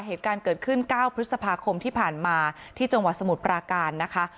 เหตุการณ์เกิดขึ้น๙พฤษภาคมที่ผ่านมาที่จังหวัดสมุทรปราการนะคะ